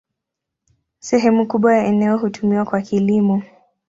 Sehemu kubwa ya eneo hutumiwa kwa kilimo.